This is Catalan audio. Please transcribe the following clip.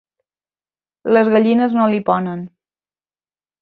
Les gallines no li ponen.